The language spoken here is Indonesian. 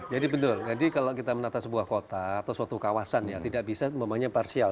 jadi benar jadi kalau kita menata sebuah kota atau suatu kawasan ya tidak bisa semuanya parsial